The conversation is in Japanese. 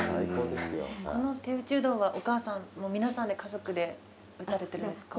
この手打ちうどんはお母さん皆さんで家族で打たれてるんですか？